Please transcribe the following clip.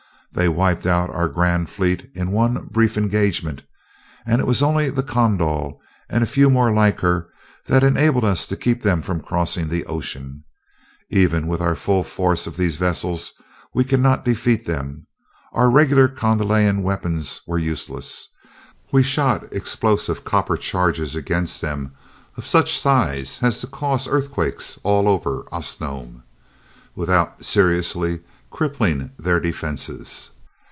They wiped out our grand fleet in one brief engagement, and it was only the Kondal and a few more like her that enabled us to keep them from crossing the ocean. Even with our full force of these vessels, we cannot defeat them. Our regular Kondalian weapons were useless. We shot explosive copper charges against them of such size as to cause earthquakes all over Osnome, without seriously crippling their defenses.